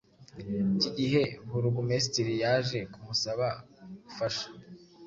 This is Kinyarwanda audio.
Iki gihe Burugumesitiri yaje kumusaba ubufasha